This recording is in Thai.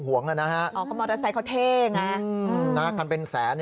หวงนะฮะอ๋อมอเตอร์ไซเขาเท่ง่ะอืมนะฮะคันเป็นแสน